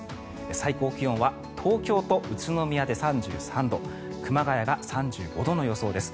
最高気温は東京と宇都宮で３３度熊谷が３５度の予想です。